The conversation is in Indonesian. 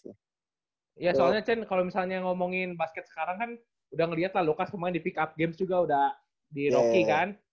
ya soalnya cien kalau misalnya ngomongin basket sekarang kan udah ngelihat lah lukas kemarin di pick up games juga udah di rocky kan